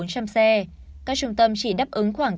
các trung tâm chỉ đáp ứng khoảng tám mươi bảy